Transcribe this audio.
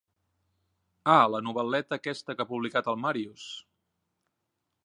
Ah, la novel·leta aquesta que ha publicat el Màrius!